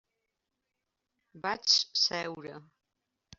Vaig seure.